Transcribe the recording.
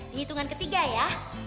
di lingkungan ketiga ya